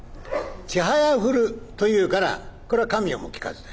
『千早振る』というからこれは『神代もきかず』だ。